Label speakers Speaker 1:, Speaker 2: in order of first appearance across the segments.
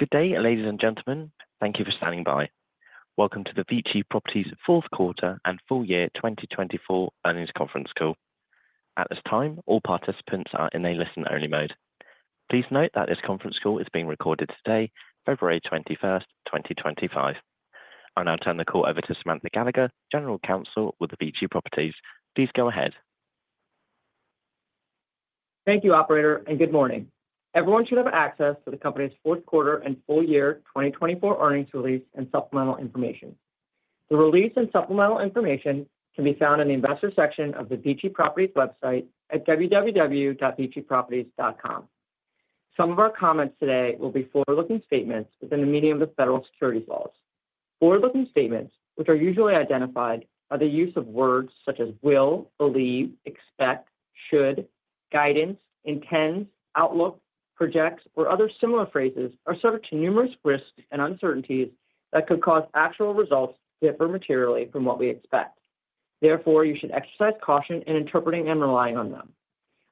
Speaker 1: Good day, ladies and gentlemen. Thank you for standing by. Welcome to the VICI Properties fourth quarter and full year 2024 earnings conference call. At this time, all participants are in a listen-only mode. Please note that this conference call is being recorded today, February 21st, 2025. I'll now turn the call over to Samantha Gallagher, General Counsel with the VICI Properties. Please go ahead.
Speaker 2: Thank you, Operator, and good morning. Everyone should have access to the company's fourth quarter and full year 2024 earnings release and supplemental information. The release and supplemental information can be found in the Investor Section of the VICI Properties website at www.viciproperties.com. Some of our comments today will be forward-looking statements within the meaning of the federal securities laws. Forward-looking statements, which are usually identified by the use of words such as will, believe, expect, should, guidance, intends, outlook, projects, or other similar phrases, are subject to numerous risks and uncertainties that could cause actual results to differ materially from what we expect. Therefore, you should exercise caution in interpreting and relying on them.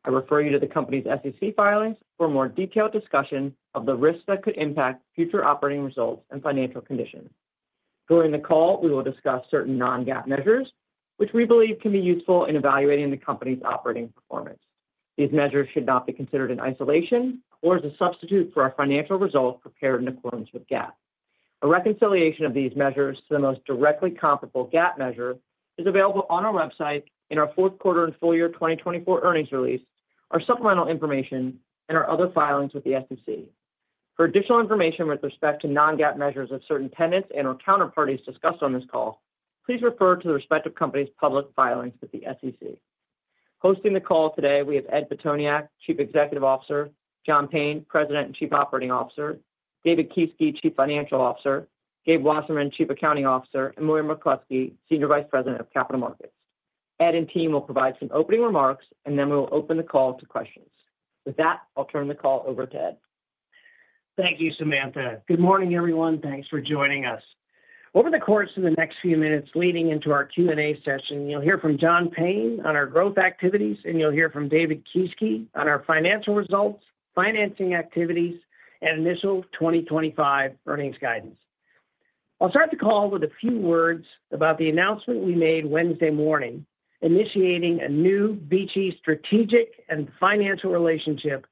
Speaker 2: I refer you to the company's SEC filings for a more detailed discussion of the risks that could impact future operating results and financial conditions. During the call, we will discuss certain non-GAAP measures, which we believe can be useful in evaluating the company's operating performance. These measures should not be considered in isolation or as a substitute for our financial results prepared in accordance with GAAP. A reconciliation of these measures to the most directly comparable GAAP measure is available on our website in our fourth quarter and Full Year 2024 earnings release, our supplemental information, and our other filings with the SEC. For additional information with respect to non-GAAP measures of certain tenants and/or counterparties discussed on this call, please refer to the respective company's public filings with the SEC. Hosting the call today, we have Ed Pitoniak, Chief Executive Officer, John Payne, President and Chief Operating Officer, David Kieske, Chief Financial Officer, Gabe Wasserman, Chief Accounting Officer, and William J. Morken, Senior Vice President of Capital Markets. Ed and team will provide some opening remarks, and then we will open the call to questions. With that, I'll turn the call over to Ed.
Speaker 3: Thank you, Samantha. Good morning, everyone. Thanks for joining us. Over the course of the next few minutes leading into our Q&A session, you'll hear from John Payne on our growth activities, and you'll hear from David Kieske on our financial results, financing activities, and initial 2025 earnings guidance. I'll start the call with a few words about the announcement we made Wednesday morning, initiating a new VICI strategic and financial relationship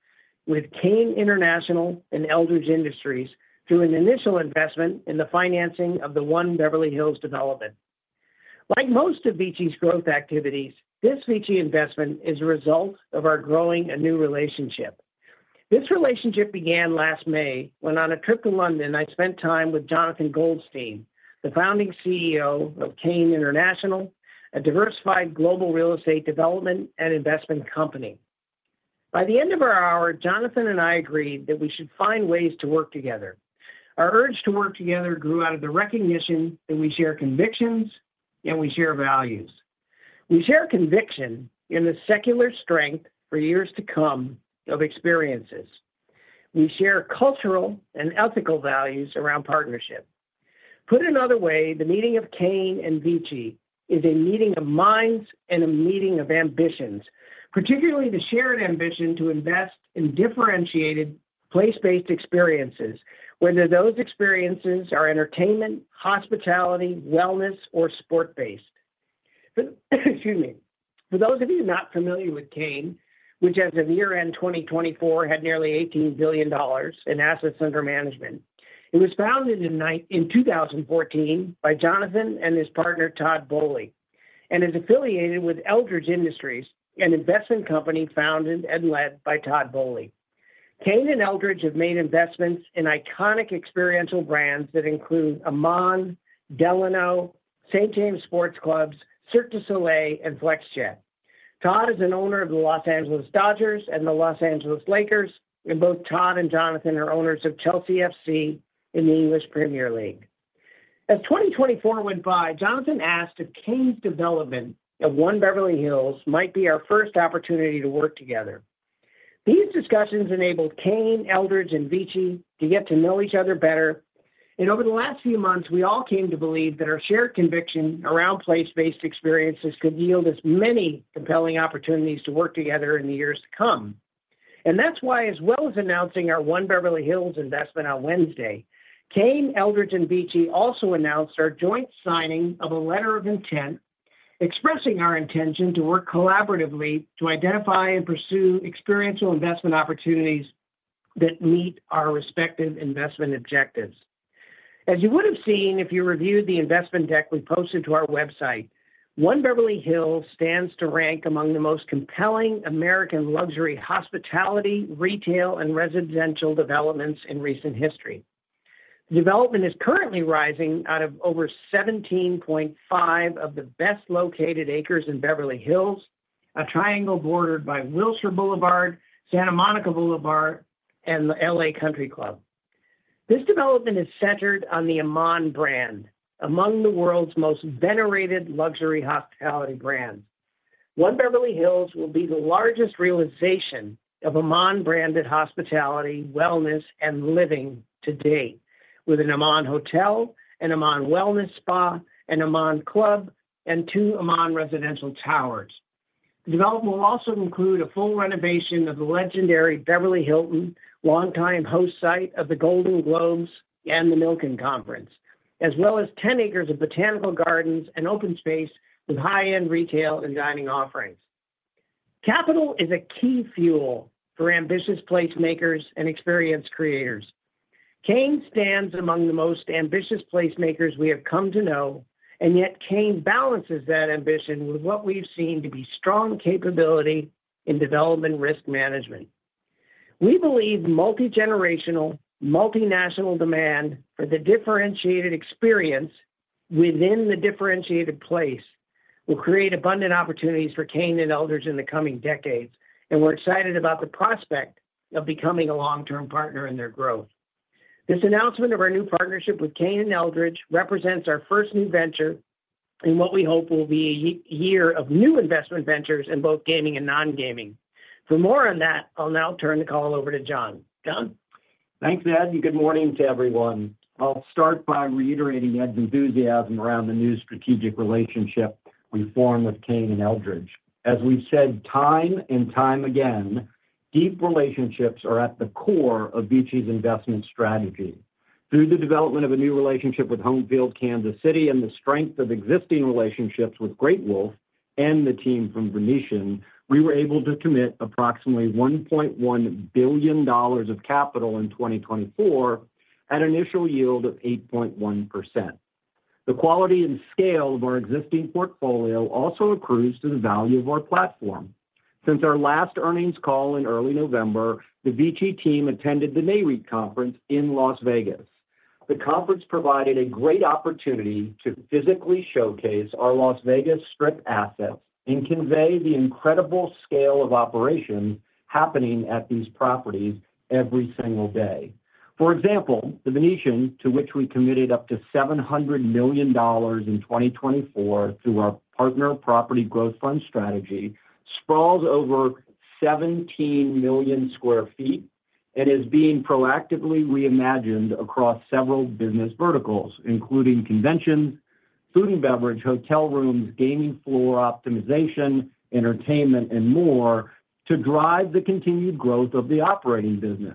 Speaker 3: with Cain International and Eldridge Industries through an initial investment in the financing of the One Beverly Hills development. Like most of VICI's growth activities, this VICI investment is a result of our growing a new relationship. This relationship began last May when, on a trip to London, I spent time with Jonathan Goldstein, the founding CEO of Cain International, a diversified global real estate development and investment company. By the end of our hour, Jonathan and I agreed that we should find ways to work together. Our urge to work together grew out of the recognition that we share convictions and we share values. We share conviction in the secular strength for years to come of experiences. We share cultural and ethical values around partnership. Put another way, the meeting of Cain and VICI is a meeting of minds and a meeting of ambitions, particularly the shared ambition to invest in differentiated, place-based experiences, whether those experiences are entertainment, hospitality, wellness, or sport-based. Excuse me. For those of you not familiar with Cain, which, as of year-end 2024, had nearly $18 billion in assets under management, it was founded in 2014 by Jonathan and his partner, Todd Boehly, and is affiliated with Eldridge Industries, an investment company founded and led by Todd Boehly. Cain and Eldridge have made investments in iconic experiential brands that include Aman, Delano, The St. James, Cirque du Soleil, and Flexjet. Todd is an owner of the Los Angeles Dodgers and the Los Angeles Lakers, and both Todd and Jonathan are owners of Chelsea FC and the English Premier League. As 2024 went by, Jonathan asked if Cain's development of One Beverly Hills might be our first opportunity to work together. These discussions enabled Cain, Eldridge, and VICI to get to know each other better, and over the last few months, we all came to believe that our shared conviction around place-based experiences could yield as many compelling opportunities to work together in the years to come. And that's why, as well as announcing our One Beverly Hills investment on Wednesday, Cain, Eldridge, and VICI also announced our joint signing of a letter of intent expressing our intention to work collaboratively to identify and pursue experiential investment opportunities that meet our respective investment objectives. As you would have seen if you reviewed the investment deck we posted to our website, One Beverly Hills stands to rank among the most compelling American luxury hospitality, retail, and residential developments in recent history. The development is currently rising out of over 17.5 of the best-located acres in Beverly Hills, a triangle bordered by Wilshire Boulevard, Santa Monica Boulevard, and the LA Country Club. This development is centered on the Aman brand, among the world's most venerated luxury hospitality brands. One Beverly Hills will be the largest realization of Aman-branded hospitality, wellness, and living to date, with an Aman Hotel, an Aman Wellness Spa, an Aman Club, and two Aman Residential Towers. The development will also include a full renovation of the legendary Beverly Hilton, longtime host site of the Golden Globes and the Milken Conference, as well as 10 acres of botanical gardens and open space with high-end retail and dining offerings. Capital is a key fuel for ambitious placemakers and experience creators. Cain stands among the most ambitious placemakers we have come to know, and yet Cain balances that ambition with what we've seen to be strong capability in development risk management. We believe multi-generational, multinational demand for the differentiated experience within the differentiated place will create abundant opportunities for Cain and Eldridge in the coming decades, and we're excited about the prospect of becoming a long-term partner in their growth. This announcement of our new partnership with Cain and Eldridge represents our first new venture in what we hope will be a year of new investment ventures in both gaming and non-gaming. For more on that, I'll now turn the call over to John. John?
Speaker 4: Thanks, Ed, and good morning to everyone. I'll start by reiterating Ed's enthusiasm around the new strategic relationship we formed with Cain and Eldridge. As we've said time and time again, deep relationships are at the core of VICI's investment strategy. Through the development of a new relationship with Homefield Kansas City and the strength of existing relationships with Great Wolf and the team from Venetian, we were able to commit approximately $1.1 billion of capital in 2024 at an initial yield of 8.1%. The quality and scale of our existing portfolio also accrues to the value of our platform. Since our last earnings call in early November, the VICI team attended the NAREIT Conference in Las Vegas. The conference provided a great opportunity to physically showcase our Las Vegas Strip assets and convey the incredible scale of operations happening at these properties every single day. For example, the Venetian, to which we committed up to $700 million in 2024 through our Partner Property Growth Fund strategy, sprawls over 17 million sq ft and is being proactively reimagined across several business verticals, including conventions, food and beverage, hotel rooms, gaming floor optimization, entertainment, and more to drive the continued growth of the operating business,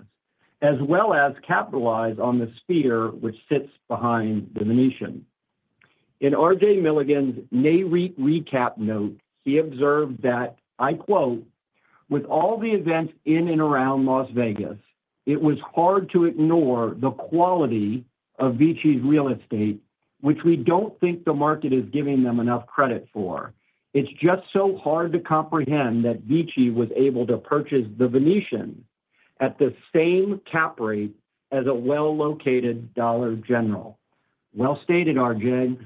Speaker 4: as well as capitalize on the Sphere which sits behind the Venetian. In RJ Milligan's NAREIT recap note, he observed that, I quote, "With all the events in and around Las Vegas, it was hard to ignore the quality of VICI's real estate, which we don't think the market is giving them enough credit for. It's just so hard to comprehend that VICI was able to purchase the Venetian at the same cap rate as a well-located Dollar General." Well stated, RJ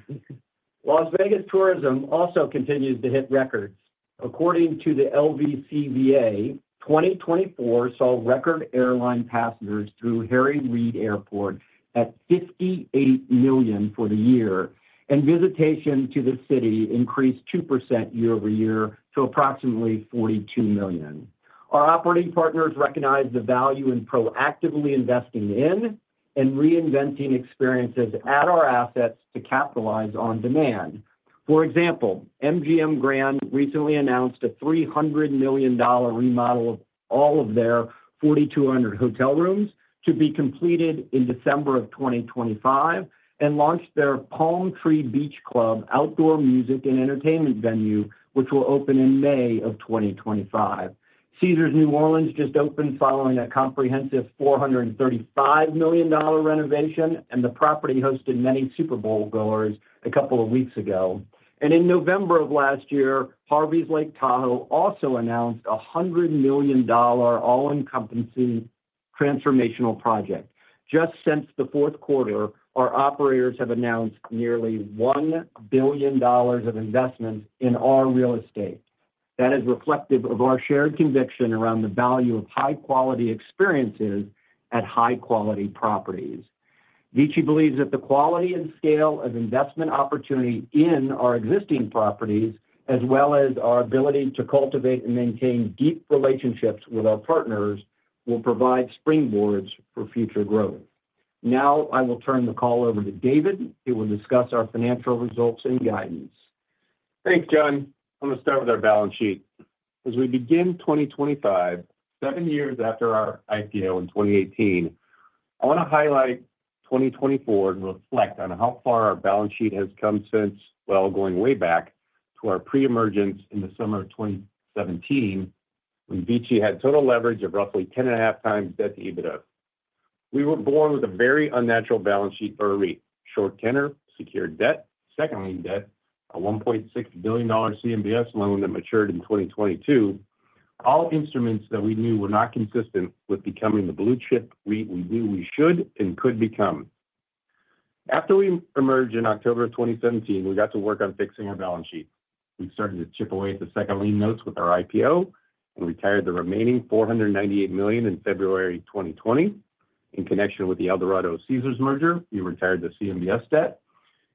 Speaker 4: Las Vegas tourism also continues to hit records. According to the LVCVA, 2024 saw record airline passengers through Harry Reid Airport at 58 million for the year, and visitation to the city increased 2% year-over-year to approximately 42 million. Our operating partners recognize the value in proactively investing in and reinventing experiences at our assets to capitalize on demand. For example, MGM Grand recently announced a $300 million remodel of all of their 4,200 hotel rooms to be completed in December of 2025 and launched their Palm Tree Beach Club outdoor music and entertainment venue, which will open in May of 2025. Caesars New Orleans just opened following a comprehensive $435 million renovation, and the property hosted many Super Bowl goers a couple of weeks ago. And in November of last year, Harveys Lake Tahoe also announced a $100 million all-encompassing transformational project. Just since the fourth quarter, our operators have announced nearly $1 billion of investment in our real estate. That is reflective of our shared conviction around the value of high-quality experiences at high-quality properties. VICI believes that the quality and scale of investment opportunity in our existing properties, as well as our ability to cultivate and maintain deep relationships with our partners, will provide springboards for future growth. Now, I will turn the call over to David, who will discuss our financial results and guidance.
Speaker 5: Thanks, John. I'm going to start with our balance sheet. As we begin 2025, seven years after our IPO in 2018, I want to highlight 2024 and reflect on how far our balance sheet has come since, well, going way back to our pre-emergence in the summer of 2017, when VICI had total leverage of roughly 10.5x debt to EBITDA. We were born with a very unnatural balance sheet for a REIT: short tenor, secured debt, second-line debt, a $1.6 billion CMBS loan that matured in 2022, all instruments that we knew were not consistent with becoming the blue chip REIT we knew we should and could become. After we emerged in October of 2017, we got to work on fixing our balance sheet. We started to chip away at the second-line notes with our IPO and retired the remaining $498 million in February 2020. In connection with the Eldorado-Caesars merger, we retired the CMBS debt,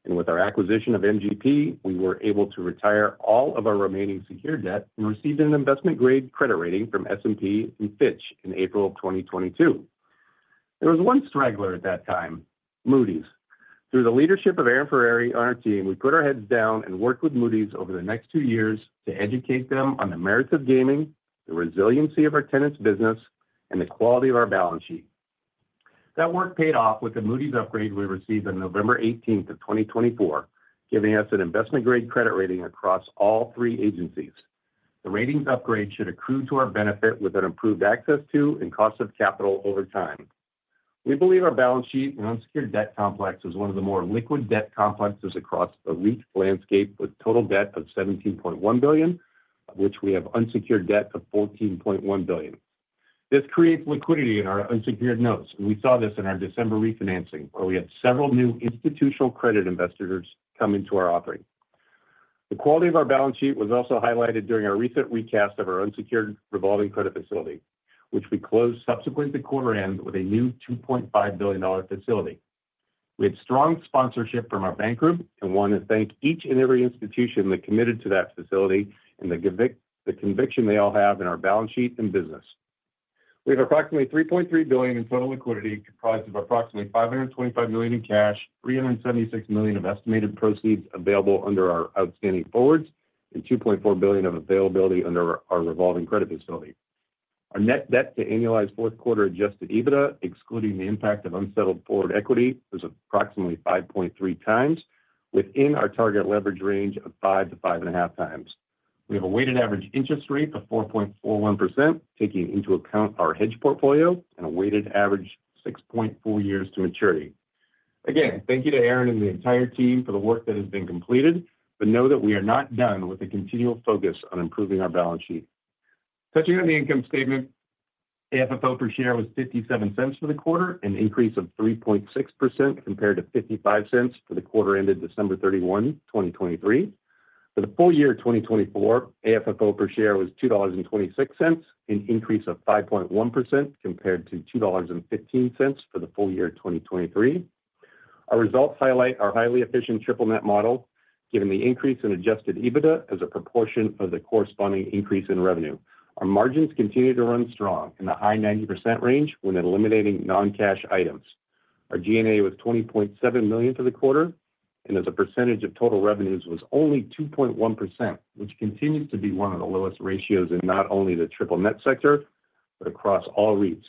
Speaker 5: and with our acquisition of MGP, we were able to retire all of our remaining secured debt and received an investment-grade credit rating from S&P and Fitch in April of 2022. There was one straggler at that time, Moody's. Through the leadership of Aaron Ferrari on our team, we put our heads down and worked with Moody's over the next two years to educate them on the merits of gaming, the resiliency of our tenants' business, and the quality of our balance sheet. That work paid off with the Moody's upgrade we received on November 18th of 2024, giving us an investment-grade credit rating across all three agencies. The ratings upgrade should accrue to our benefit with an improved access to and cost of capital over time. We believe our balance sheet and unsecured debt complex is one of the more liquid debt complexes across the REIT landscape, with total debt of $17.1 billion, of which we have unsecured debt of $14.1 billion. This creates liquidity in our unsecured notes, and we saw this in our December refinancing, where we had several new institutional credit investors come into our offering. The quality of our balance sheet was also highlighted during our recent recap of our unsecured revolving credit facility, which we closed subsequent to quarter-end with a new $2.5 billion facility. We had strong sponsorship from our bank group and want to thank each and every institution that committed to that facility and the conviction they all have in our balance sheet and business. We have approximately $3.3 billion in total liquidity, comprised of approximately $525 million in cash, $376 million of estimated proceeds available under our outstanding forwards, and $2.4 billion of availability under our revolving credit facility. Our net debt to annualized fourth quarter Adjusted EBITDA, excluding the impact of unsettled forward equity, is approximately 5.3x, within our target leverage range of 5x-5.5x. We have a weighted average interest rate of 4.41%, taking into account our hedge portfolio and a weighted average 6.4 years to maturity. Again, thank you to Aaron and the entire team for the work that has been completed, but know that we are not done with a continual focus on improving our balance sheet. Touching on the income statement, AFFO per share was $0.57 for the quarter, an increase of 3.6% compared to $0.55 for the quarter-ended December 31, 2023. For the full year of 2024, AFFO per share was $2.26, an increase of 5.1% compared to $2.15 for the full year of 2023. Our results highlight our highly efficient triple-net model, given the increase in adjusted EBITDA as a proportion of the corresponding increase in revenue. Our margins continue to run strong in the high 90% range when eliminating non-cash items. Our G&A was $20.7 million for the quarter, and as a percentage of total revenues, it was only 2.1%, which continues to be one of the lowest ratios in not only the triple-net sector, but across all REITs.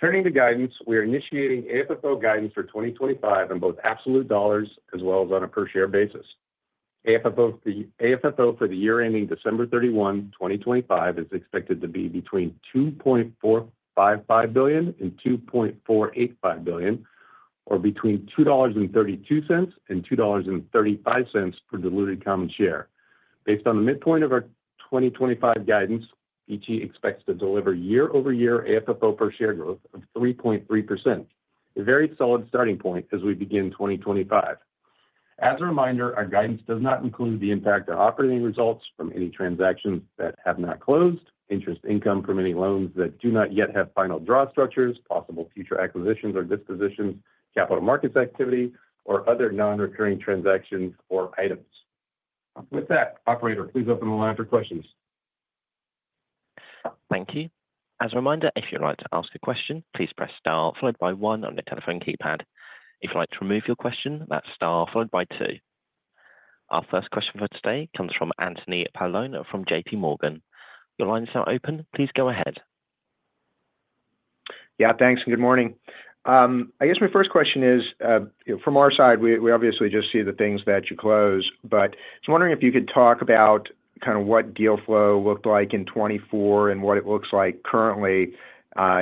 Speaker 5: Turning to guidance, we are initiating AFFO guidance for 2025 on both absolute dollars as well as on a per-share basis. AFFO for the year ending December 31, 2025, is expected to be between $2.455 billion and $2.485 billion, or between $2.32 and $2.35 per diluted common share. Based on the midpoint of our 2025 guidance, VICI expects to deliver year-over-year AFFO per share growth of 3.3%, a very solid starting point as we begin 2025. As a reminder, our guidance does not include the impact on operating results from any transactions that have not closed, interest income from any loans that do not yet have final draw structures, possible future acquisitions or dispositions, capital markets activity, or other non-recurring transactions or items. With that, operator, please open the line for questions.
Speaker 1: Thank you. As a reminder, if you'd like to ask a question, please press star followed by one on the telephone keypad. If you'd like to remove your question, that's star followed by two. Our first question for today comes from Anthony Paolone from JPMorgan. Your line is now open. Please go ahead.
Speaker 6: Yeah, thanks. Good morning. I guess my first question is, from our side, we obviously just see the things that you close, but I was wondering if you could talk about kind of what deal flow looked like in 2024 and what it looks like currently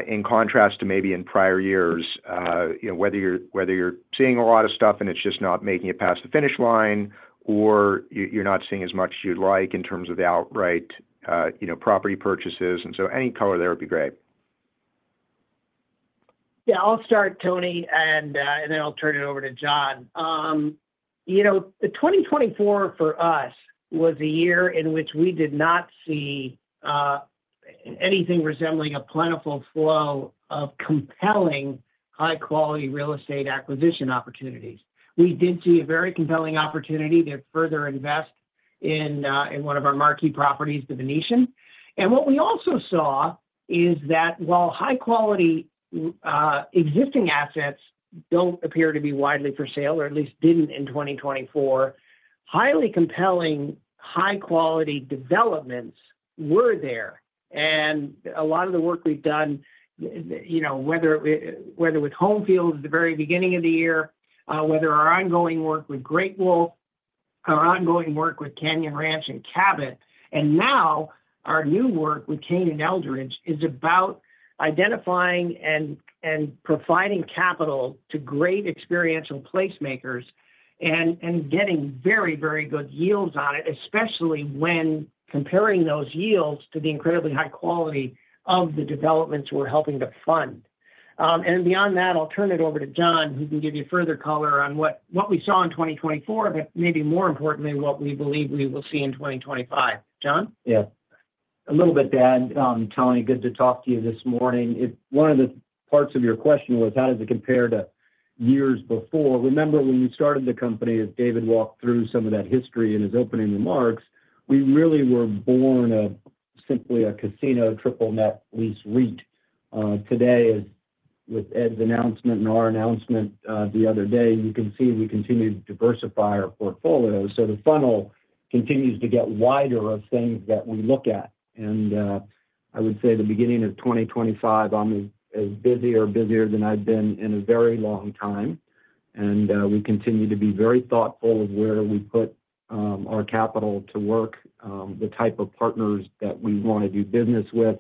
Speaker 6: in contrast to maybe in prior years, whether you're seeing a lot of stuff and it's just not making it past the finish line, or you're not seeing as much as you'd like in terms of outright property purchases, and so any color there would be great.
Speaker 3: Yeah, I'll start, Tony, and then I'll turn it over to John. You know, 2024 for us was a year in which we did not see anything resembling a plentiful flow of compelling high-quality real estate acquisition opportunities. We did see a very compelling opportunity to further invest in one of our marquee properties, the Venetian. And what we also saw is that while high-quality existing assets don't appear to be widely for sale, or at least didn't in 2024, highly compelling high-quality developments were there. And a lot of the work we've done, you know, whether with Homefield at the very beginning of the year, whether our ongoing work with Great Wolf, our ongoing work with Canyon Ranch and Cabot, and now our new work with Cain Eldridge is about identifying and providing capital to great experiential placemakers and getting very, very good yields on it, especially when comparing those yields to the incredibly high quality of the developments we're helping to fund. And beyond that, I'll turn it over to John, who can give you further color on what we saw in 2024, but maybe more importantly, what we believe we will see in 2025. John?
Speaker 4: Yeah. A little bit, Ed. Tony, good to talk to you this morning. One of the parts of your question was, how does it compare to years before? Remember when you started the company, as David walked through some of that history in his opening remarks, we really were born of simply a casino triple-net lease REIT. Today, with Ed's announcement and our announcement the other day, you can see we continue to diversify our portfolio. So the funnel continues to get wider of things that we look at. And I would say the beginning of 2025, I'm as busy or busier than I've been in a very long time. And we continue to be very thoughtful of where we put our capital to work, the type of partners that we want to do business with,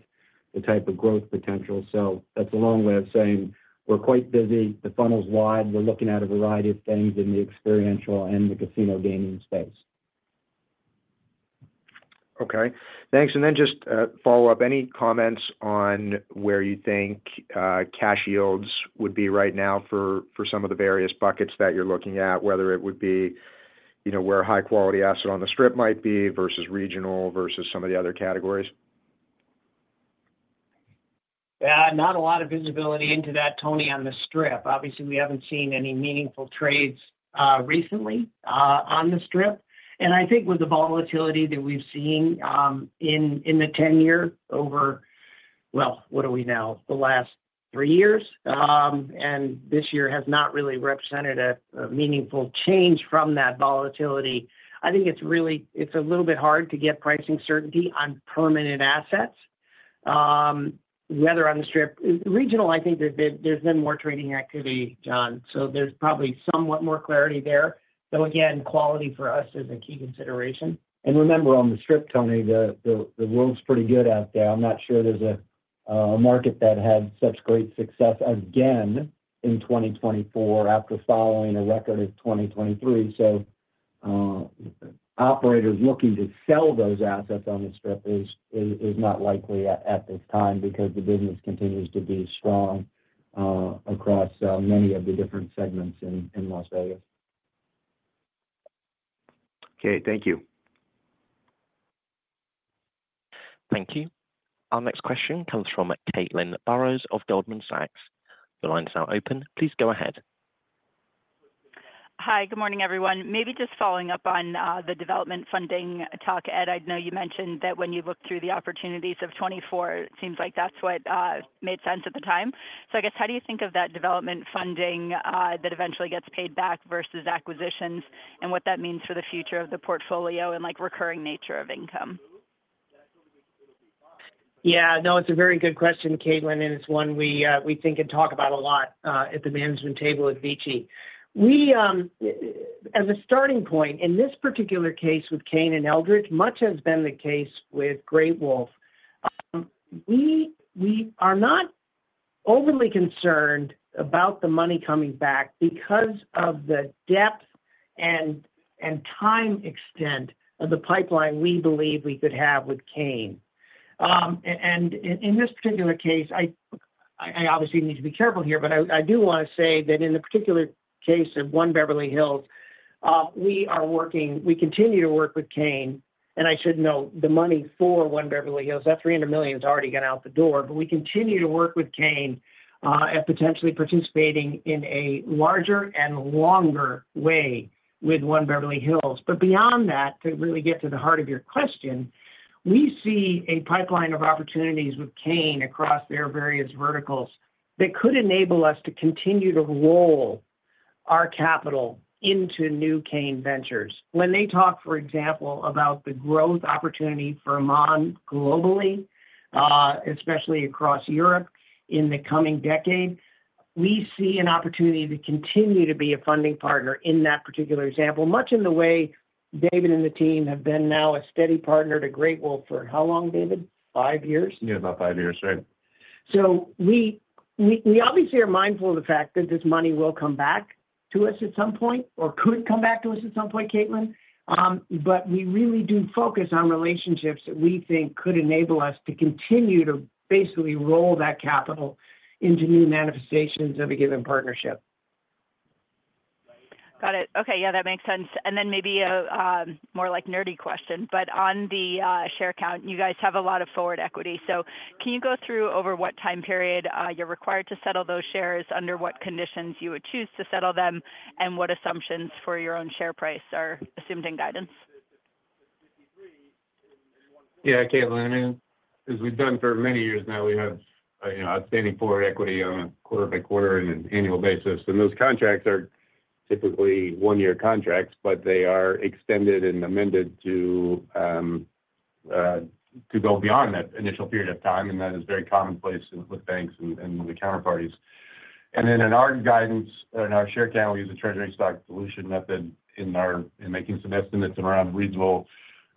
Speaker 4: the type of growth potential. So that's a long way of saying we're quite busy. The funnel's wide. We're looking at a variety of things in the experiential and the casino gaming space.
Speaker 6: Okay. Thanks. And then just follow up, any comments on where you think cash yields would be right now for some of the various buckets that you're looking at, whether it would be where a high-quality asset on the Strip might be versus regional versus some of the other categories?
Speaker 3: Yeah, not a lot of visibility into that, Tony, on the Strip. Obviously, we haven't seen any meaningful trades recently on the Strip. I think with the volatility that we've seen in the 10-year over, well, what are we now, the last three years, and this year has not really represented a meaningful change from that volatility. I think it's a little bit hard to get pricing certainty on permanent assets. Whether on the Strip, regional, I think there's been more trading activity, John. So there's probably somewhat more clarity there. Though again, quality for us is a key consideration.
Speaker 4: Remember on the Strip, Tony, the world's pretty good out there. I'm not sure there's a market that had such great success again in 2024 after following a record of 2023. Operators looking to sell those assets on the Strip is not likely at this time because the business continues to be strong across many of the different segments in Las Vegas.
Speaker 6: Okay. Thank you.
Speaker 1: Thank you. Our next question comes from Caitlin Burrows of Goldman Sachs. The line is now open. Please go ahead.
Speaker 7: Hi, good morning, everyone. Maybe just following up on the development funding talk, Ed, I know you mentioned that when you looked through the opportunities of 2024, it seems like that's what made sense at the time. So I guess how do you think of that development funding that eventually gets paid back versus acquisitions and what that means for the future of the portfolio and recurring nature of income?
Speaker 3: Yeah, no, it's a very good question, Caitlin, and it's one we think and talk about a lot at the management table at VICI. As a starting point, in this particular case with Cain and Eldridge, much has been the case with Great Wolf. We are not overly concerned about the money coming back because of the depth and time extent of the pipeline we believe we could have with Cain. And in this particular case, I obviously need to be careful here, but I do want to say that in the particular case of One Beverly Hills, we are working, we continue to work with Cain, and I should note the money for One Beverly Hills, that $300 million has already gone out the door, but we continue to work with Cain and potentially participating in a larger and longer way with One Beverly Hills. But beyond that, to really get to the heart of your question, we see a pipeline of opportunities with Cain across their various verticals that could enable us to continue to roll our capital into new Cain ventures. When they talk, for example, about the growth opportunity for Aman globally, especially across Europe in the coming decade, we see an opportunity to continue to be a funding partner in that particular example, much in the way David and the team have been now a steady partner to Great Wolf for how long, David? Five years?
Speaker 5: Yeah, about five years, right?
Speaker 3: We obviously are mindful of the fact that this money will come back to us at some point or could come back to us at some point, Caitlin, but we really do focus on relationships that we think could enable us to continue to basically roll that capital into new manifestations of a given partnership.
Speaker 7: Got it. Okay. Yeah, that makes sense, and then maybe a more nerdy question, but on the share count, you guys have a lot of forward equity. So can you go through over what time period you're required to settle those shares, under what conditions you would choose to settle them, and what assumptions for your own share price are assumed in guidance?
Speaker 5: Yeah, Caitlin, I mean, as we've done for many years now, we have outstanding forward equity on a quarter-by-quarter and an annual basis. And those contracts are typically one-year contracts, but they are extended and amended to go beyond that initial period of time, and that is very commonplace with banks and the counterparties. And then in our guidance, in our share count, we use a treasury stock dilution method in making some estimates and around reasonable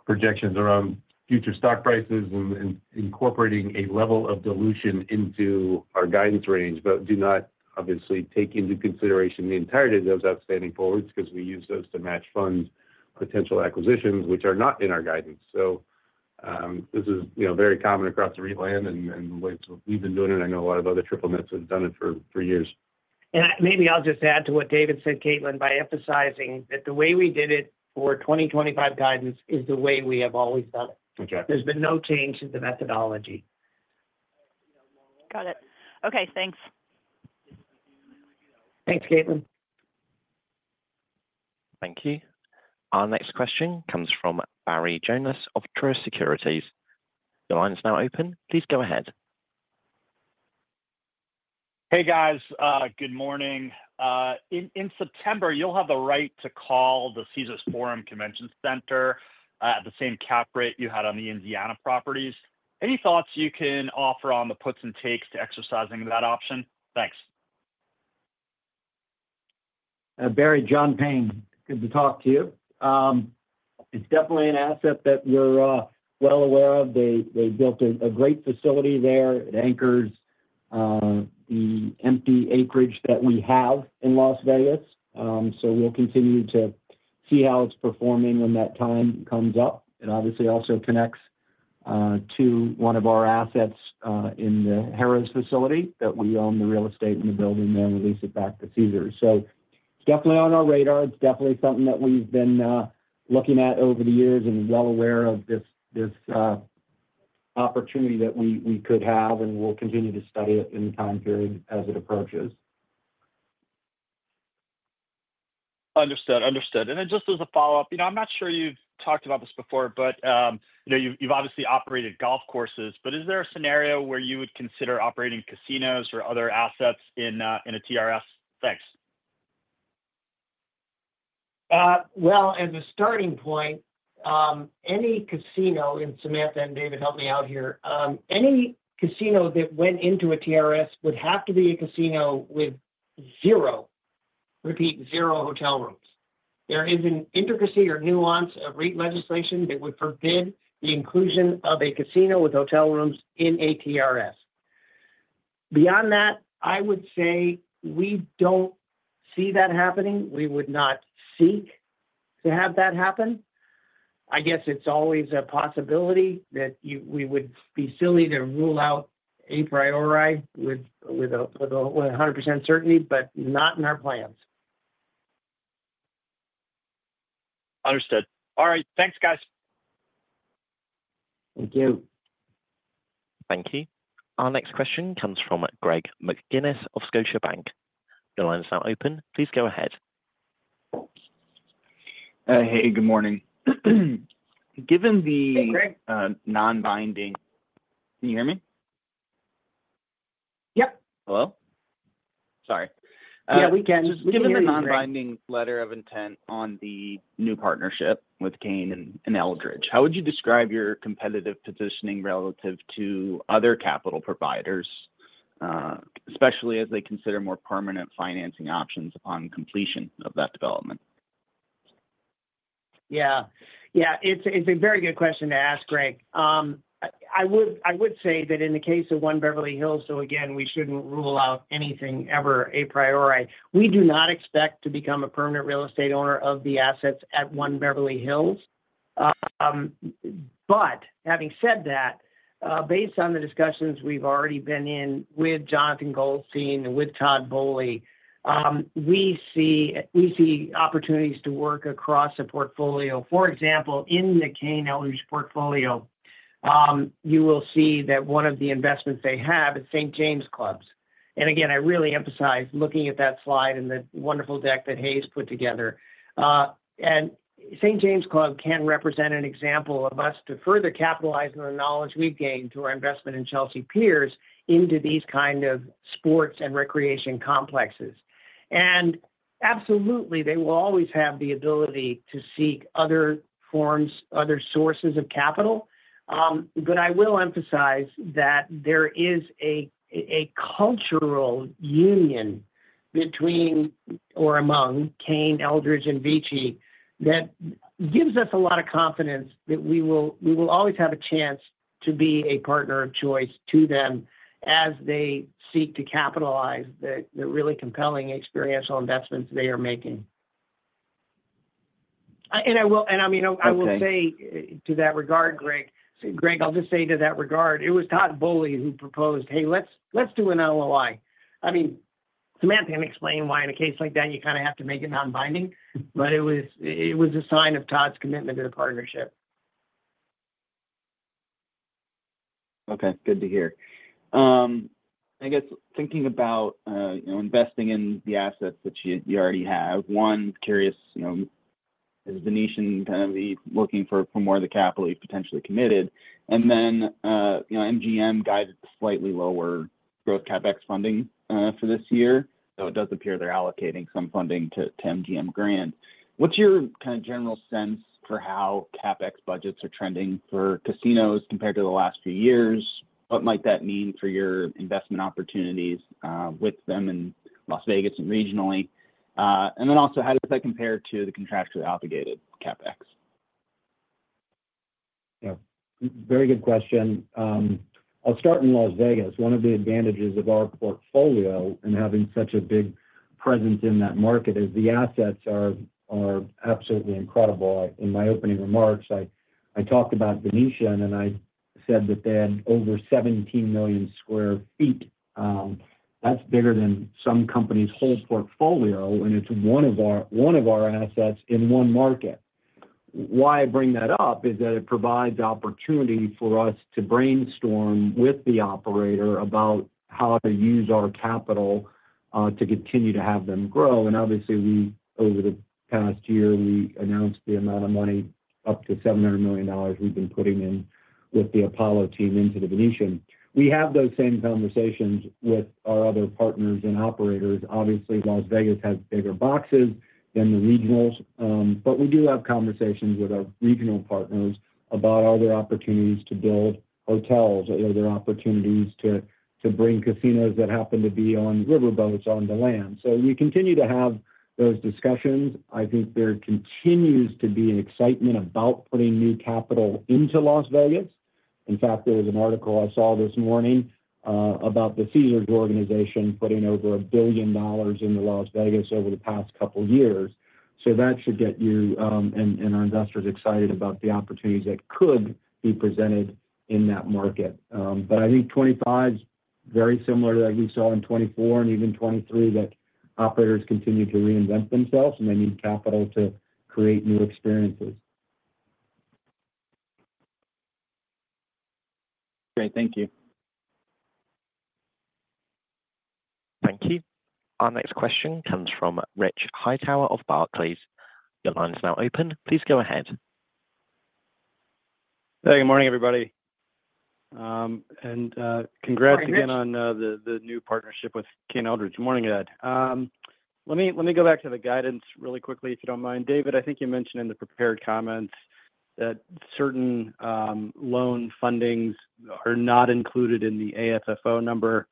Speaker 5: projections around future stock prices and incorporating a level of dilution into our guidance range, but do not obviously take into consideration the entirety of those outstanding forwards because we use those to match fund potential acquisitions, which are not in our guidance. So this is very common across the REIT land and the way we've been doing it. I know a lot of other triple-nets have done it for years.
Speaker 3: Maybe I'll just add to what David said, Caitlin, by emphasizing that the way we did it for 2025 guidance is the way we have always done it. There's been no change in the methodology.
Speaker 7: Got it. Okay. Thanks.
Speaker 3: Thanks, Caitlin.
Speaker 1: Thank you. Our next question comes from Barry Jonas of Truist Securities. The line is now open. Please go ahead.
Speaker 8: Hey, guys. Good morning. In September, you'll have the right to call the Caesars Forum Convention Center at the same cap rate you had on the Indiana properties. Any thoughts you can offer on the puts and takes to exercising that option? Thanks.
Speaker 4: Barry, John Payne, good to talk to you. It's definitely an asset that we're well aware of. They built a great facility there. It anchors the empty acreage that we have in Las Vegas. So we'll continue to see how it's performing when that time comes up. It obviously also connects to one of our assets in the Harrah's facility that we own the real estate and the building there and lease it back to Caesars. So it's definitely on our radar. It's definitely something that we've been looking at over the years and well aware of this opportunity that we could have, and we'll continue to study it in the time period as it approaches.
Speaker 8: Understood. Understood. And then just as a follow-up, I'm not sure you've talked about this before, but you've obviously operated golf courses, but is there a scenario where you would consider operating casinos or other assets in a TRS? Thanks.
Speaker 3: As a starting point, any casino. Samantha and David, help me out here. Any casino that went into a TRS would have to be a casino with zero, repeat, zero hotel rooms. There is an intricacy or nuance of REIT legislation that would forbid the inclusion of a casino with hotel rooms in a TRS. Beyond that, I would say we don't see that happening. We would not seek to have that happen. I guess it's always a possibility that we would be silly to rule out a priori with 100% certainty, but not in our plans.
Speaker 8: Understood. All right. Thanks, guys.
Speaker 5: Thank you.
Speaker 1: Thank you. Our next question comes from Greg McGinniss of Scotiabank. The line is now open. Please go ahead.
Speaker 9: Hey, good morning. Given the non-binding, can you hear me?
Speaker 3: Yep.
Speaker 9: Hello? Sorry.
Speaker 3: Yeah, we can.
Speaker 9: Given the non-binding letter of intent on the new partnership with Cain and Eldridge, how would you describe your competitive positioning relative to other capital providers, especially as they consider more permanent financing options upon completion of that development?
Speaker 3: Yeah. Yeah. It's a very good question to ask, Greg. I would say that in the case of One Beverly Hills, so again, we shouldn't rule out anything ever a priori. We do not expect to become a permanent real estate owner of the assets at One Beverly Hills. But having said that, based on the discussions we've already been in with Jonathan Goldstein and with Todd Boehly, we see opportunities to work across a portfolio. For example, in the Cain Eldridge portfolio, you will see that one of the investments they have is The St. James. And again, I really emphasize looking at that slide and the wonderful deck that Hayes put together. And The St. James can represent an example of us to further capitalize on the knowledge we've gained through our investment in Chelsea Piers into these kind of sports and recreation complexes. Absolutely, they will always have the ability to seek other forms, other sources of capital. But I will emphasize that there is a cultural union between or among Cain, Eldridge, and VICI that gives us a lot of confidence that we will always have a chance to be a partner of choice to them as they seek to capitalize the really compelling experiential investments they are making. I mean, I will say to that regard, Greg, I'll just say to that regard, it was Todd Boehly who proposed, "Hey, let's do an LOI." I mean, Samantha can explain why in a case like that you kind of have to make it non-binding, but it was a sign of Todd's commitment to the partnership.
Speaker 9: Okay. Good to hear. I guess thinking about investing in the assets that you already have, one, curious, is Venetian going to be looking for more of the capital you've potentially committed? And then MGM guided slightly lower growth CapEx funding for this year. Though it does appear they're allocating some funding to MGM Grand. What's your kind of general sense for how CapEx budgets are trending for casinos compared to the last few years? What might that mean for your investment opportunities with them in Las Vegas and regionally? And then also, how does that compare to the contractually obligated CapEx?
Speaker 4: Yeah. Very good question. I'll start in Las Vegas. One of the advantages of our portfolio and having such a big presence in that market is the assets are absolutely incredible. In my opening remarks, I talked about Venetian, and I said that they had over 17 million sq ft. That's bigger than some company's whole portfolio, and it's one of our assets in one market. Why I bring that up is that it provides opportunity for us to brainstorm with the operator about how to use our capital to continue to have them grow. And obviously, over the past year, we announced the amount of money, up to $700 million, we've been putting in with the Apollo team into the Venetian. We have those same conversations with our other partners and operators. Obviously, Las Vegas has bigger boxes than the regionals, but we do have conversations with our regional partners about other opportunities to build hotels, other opportunities to bring casinos that happen to be on riverboats on the land. So we continue to have those discussions. I think there continues to be excitement about putting new capital into Las Vegas. In fact, there was an article I saw this morning about the Caesars organization putting over $1 billion into Las Vegas over the past couple of years. So that should get you and our investors excited about the opportunities that could be presented in that market. But I think 2025 is very similar to that we saw in 2024 and even 2023 that operators continue to reinvent themselves, and they need capital to create new experiences.
Speaker 9: Great. Thank you.
Speaker 1: Thank you. Our next question comes from Rich Hightower of Barclays. The line is now open. Please go ahead.
Speaker 10: Hey, good morning, everybody. And congrats again on the new partnership with Cain and Eldridge. Good morning, Ed. Let me go back to the guidance really quickly, if you don't mind. David, I think you mentioned in the prepared comments that certain loan fundings are not included in the AFFO number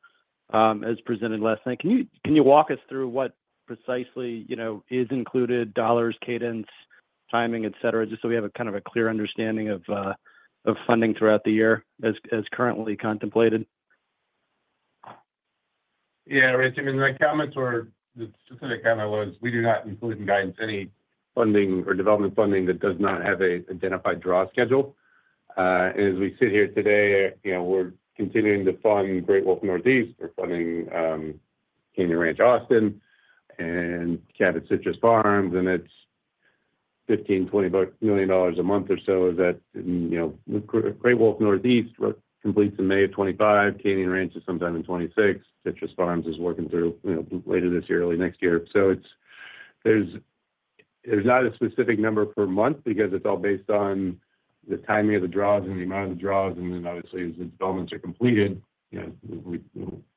Speaker 10: as presented last night. Can you walk us through what precisely is included? Dollars, cadence, timing, etc., just so we have a kind of a clear understanding of funding throughout the year as currently contemplated?
Speaker 5: Yeah. Richard, my comments were specifically kind of was we do not include in guidance any funding or development funding that does not have an identified draw schedule. And as we sit here today, we're continuing to fund Great Wolf Northeast. We're funding Canyon Ranch Austin and Cabot Citrus Farms, and it's $15-$20 million a month or so as that Great Wolf Northeast completes in May of 2025. Canyon Ranch is sometime in 2026. Citrus Farms is working through later this year, early next year. So there's not a specific number per month because it's all based on the timing of the draws and the amount of the draws. And then obviously, as the developments are completed,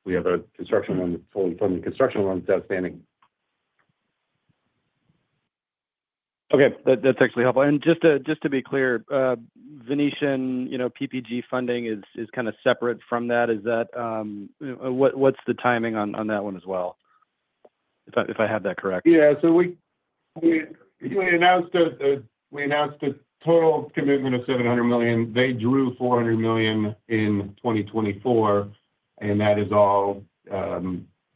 Speaker 5: we have a construction loan fully funded construction loan outstanding.
Speaker 10: Okay. That's actually helpful. And just to be clear, Venetian PPG funding is kind of separate from that. What's the timing on that one as well, if I have that correct?
Speaker 5: Yeah. So we announced a total commitment of $700 million. They drew $400 million in 2024, and that is all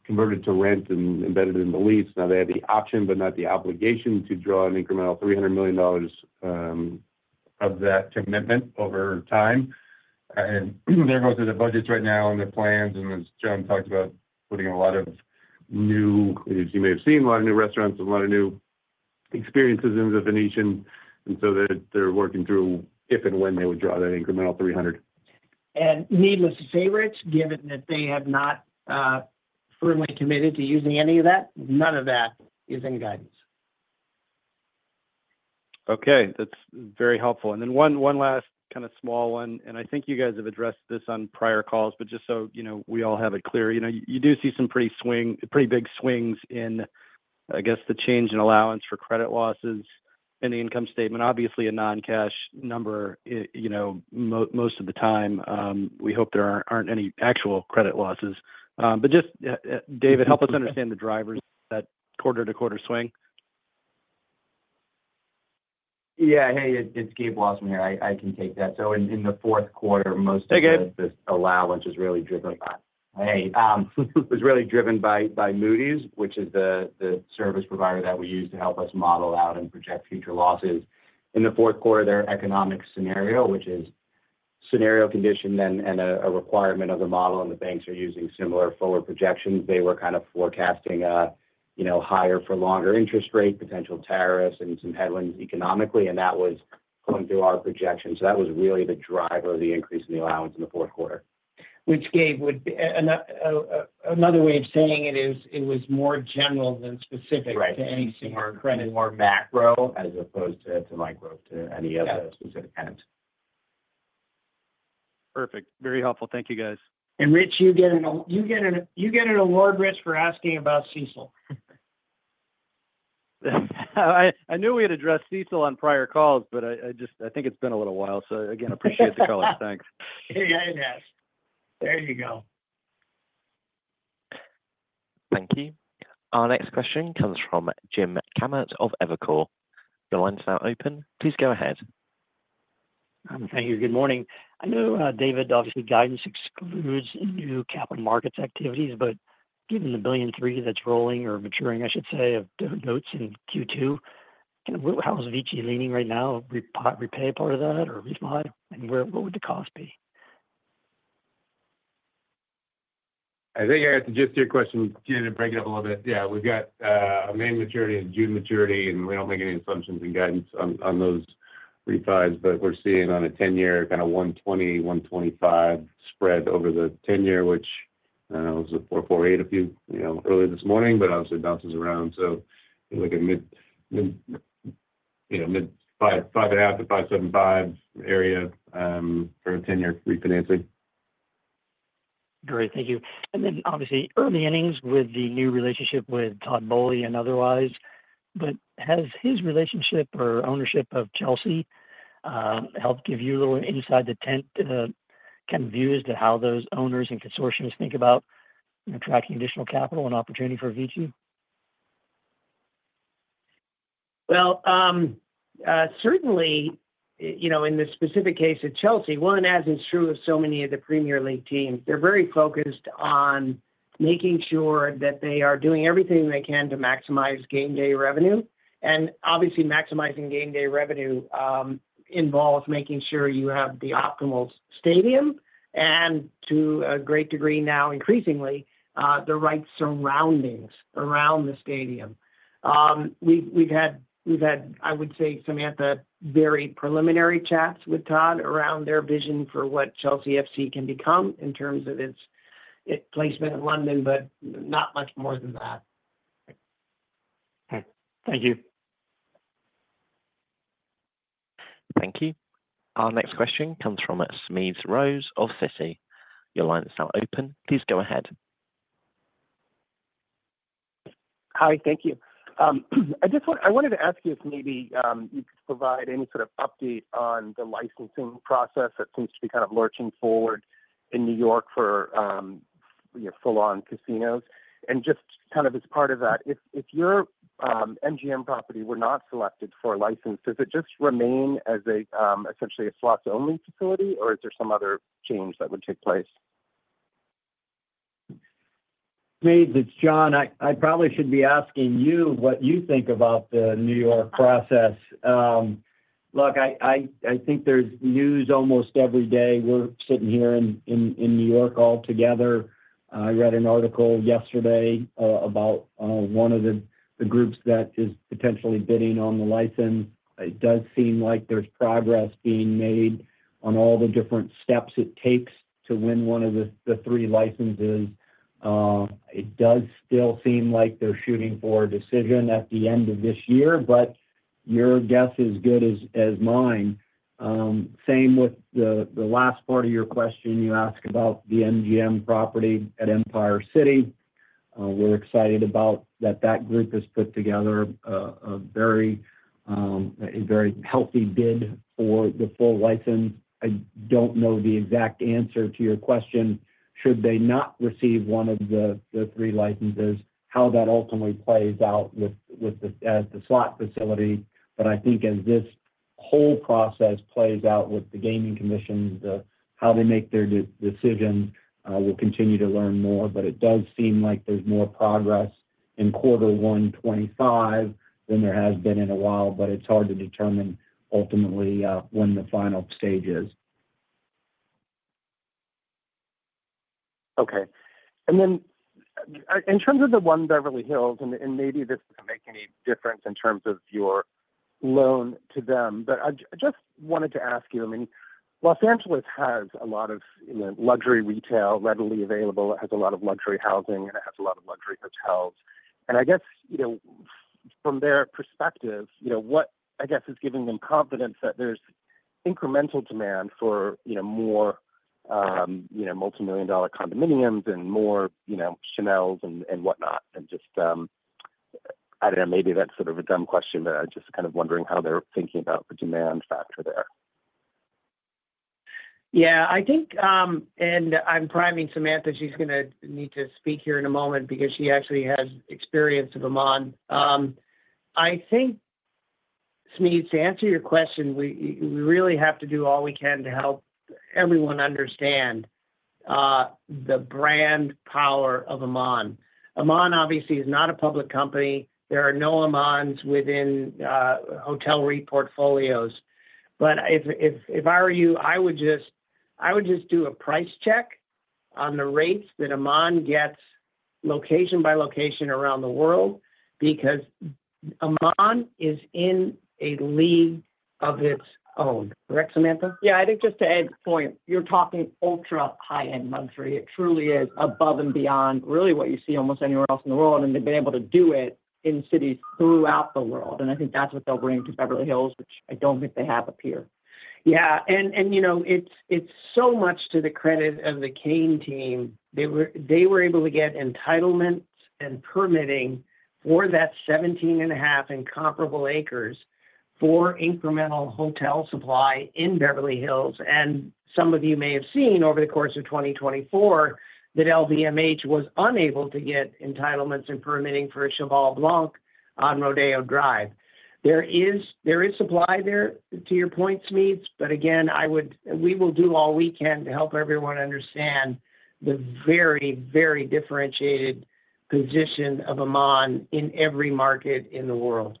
Speaker 5: converted to rent and embedded in the lease. Now, they have the option, but not the obligation to draw an incremental $300 million of that commitment over time. And they're going through the budgets right now and their plans, and as John talked about, putting a lot of new, as you may have seen, a lot of new restaurants and a lot of new experiences into Venetian. And so they're working through if and when they would draw that incremental 300.
Speaker 3: Needless to say, given that they have not firmly committed to using any of that, none of that is in guidance.
Speaker 10: Okay. That's very helpful. And then one last kind of small one, and I think you guys have addressed this on prior calls, but just so we all have it clear, you do see some pretty big swings in, I guess, the change in allowance for credit losses in the income statement. Obviously, a non-cash number most of the time. We hope there aren't any actual credit losses. But just, David, help us understand the drivers of that quarter-to-quarter swing.
Speaker 11: Yeah. Hey, it's Gabe Wasserman here. I can take that. So in the fourth quarter, most of that is just allowance, really driven by Moody's, which is the service provider that we use to help us model out and project future losses. In the fourth quarter, their economic scenario, which is scenario conditioned and a requirement of the model, and the banks are using similar forward projections. They were kind of forecasting a higher-for-longer interest rate, potential tariffs, and some headwinds economically, and that was going through our projections. So that was really the driver of the increase in the allowance in the fourth quarter.
Speaker 3: Which, Gabe, would be another way of saying it was more general than specific to anything or credit.
Speaker 11: Right. More macro as opposed to micro to any other specific kinds.
Speaker 10: Perfect. Very helpful. Thank you, guys.
Speaker 3: Rich, you get an award, Rich, for asking about CECL.
Speaker 10: I knew we had addressed CECL on prior calls, but I think it's been a little while. So again, appreciate the color. Thanks.
Speaker 3: Hey, guys. There you go.
Speaker 1: Thank you. Our next question comes from Jim Kammert of Evercore. The line's now open. Please go ahead.
Speaker 12: Thank you. Good morning. I know, David, obviously, guidance excludes new capital markets activities, but given the $1.3 billion that's rolling or maturing, I should say, of notes in Q2, how is VICI leaning right now? Repay part of that or refund? And what would the cost be?
Speaker 5: I think, to just answer your question, to break it up a little bit, yeah, we've got a main maturity and due maturity, and we don't make any assumptions in guidance on those refinancings. But we're seeing on a 10-year kind of 120-125 spread over the 10-year, which was 4.8% a few hours early this morning, but obviously bounces around. So look at mid-5.5% to 5.75% area for a 10-year refinancing.
Speaker 12: Great. Thank you. And then obviously, early innings with the new relationship with Todd Boehly and otherwise. But has his relationship or ownership of Chelsea helped give you a little inside-the-tent kind of view as to how those owners and consortiums think about attracting additional capital and opportunity for VICI?
Speaker 3: Certainly, in the specific case of Chelsea, and as is true of so many of the Premier League teams, they're very focused on making sure that they are doing everything they can to maximize game day revenue. Obviously, maximizing game day revenue involves making sure you have the optimal stadium and, to a great degree now, increasingly, the right surroundings around the stadium. We've had, I would say, Samantha, very preliminary chats with Todd around their vision for what Chelsea FC can become in terms of its placement in London, but not much more than that.
Speaker 12: Okay. Thank you.
Speaker 1: Thank you. Our next question comes from Smedes Rose of Citi. Your line is now open. Please go ahead.
Speaker 13: Hi. Thank you. I wanted to ask you if maybe you could provide any sort of update on the licensing process that seems to be kind of lurching forward in New York for full-on casinos, and just kind of as part of that, if your MGM property were not selected for license, does it just remain as essentially a slots-only facility, or is there some other change that would take place?
Speaker 4: Hey, it's John. I probably should be asking you what you think about the New York process. Look, I think there's news almost every day. We're sitting here in New York all together. I read an article yesterday about one of the groups that is potentially bidding on the license. It does seem like there's progress being made on all the different steps it takes to win one of the three licenses. It does still seem like they're shooting for a decision at the end of this year, but your guess is as good as mine. Same with the last part of your question. You asked about the MGM property at Empire City. We're excited about that group has put together a very healthy bid for the full license. I don't know the exact answer to your question. Should they not receive one of the three licenses, how that ultimately plays out as the slot facility. But I think as this whole process plays out with the gaming commission, how they make their decisions, we'll continue to learn more. But it does seem like there's more progress in Q1 2025 than there has been in a while, but it's hard to determine ultimately when the final stage is.
Speaker 13: Okay. And then in terms of the One Beverly Hills, and maybe this doesn't make any difference in terms of your loan to them, but I just wanted to ask you. I mean, Los Angeles has a lot of luxury retail readily available. It has a lot of luxury housing, and it has a lot of luxury hotels. And I guess from their perspective, what I guess is giving them confidence that there's incremental demand for more multi-million-dollar condominiums and more channels and whatnot. And just, I don't know, maybe that's sort of a dumb question, but I'm just kind of wondering how they're thinking about the demand factor there.
Speaker 3: Yeah. And I'm priming Samantha. She's going to need to speak here in a moment because she actually has experience of Aman. I think, Smedes, to answer your question, we really have to do all we can to help everyone understand the brand power of Aman. Aman, obviously, is not a public company. There are no Aman's within hotel REIT portfolios. But if I were you, I would just do a price check on the rates that Aman gets location by location around the world because Aman is in a league of its own. Correct, Samantha?
Speaker 2: Yeah. I think just to add a point, you're talking ultra high-end luxury. It truly is above and beyond really what you see almost anywhere else in the world, and I think that's what they'll bring to Beverly Hills, which I don't think they have up here. Yeah, and it's so much to the credit of the Cain team. They were able to get entitlements and permitting for that 17.5 and comparable acres for incremental hotel supply in Beverly Hills, and some of you may have seen over the course of 2024 that LVMH was unable to get entitlements and permitting for a Cheval Blanc on Rodeo Drive. There is supply there, to your point, Smedes, but again, we will do all we can to help everyone understand the very, very differentiated position of Aman in every market in the world